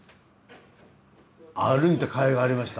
歩いたかいがありました。